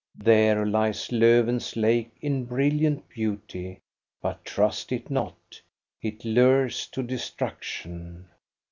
There lies Lofven's lake in brilliant beauty; but trust it not, it lures to destruction.